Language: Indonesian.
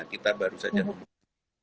kita baru saja memulainya